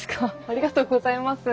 ありがとうございます。